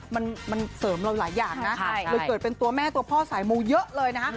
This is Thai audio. มันเสริมเราหลายอย่างนะเลยเกิดเป็นตัวแม่ตัวพ่อสายมูเยอะเลยนะฮะ